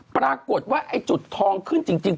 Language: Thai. ปรากฏว่าไอ้จุดทองขึ้นจริง